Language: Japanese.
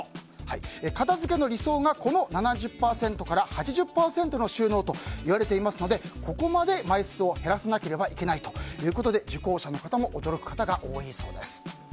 片付けの理想がこの７０％から８０％の収納といわれていますのでここまで枚数を減らさなければいけないということで受講者の方も驚く方が多いそうです。